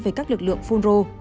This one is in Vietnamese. với các lực lượng phunro